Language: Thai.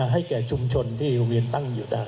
ให้แก่ชุมชนที่โรงเรียนตั้งอยู่